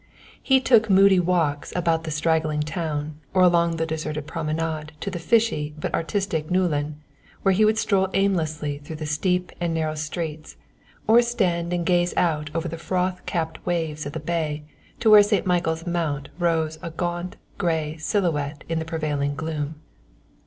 He took moody walks about the straggling town or along the deserted promenade to the fishy but artistic Newlyn, where he would stroll aimlessly through the steep and narrow streets or stand and gaze out over the froth capped waves of the bay to where St. Michael's Mount rose a gaunt, grey silhouette in the prevailing gloom.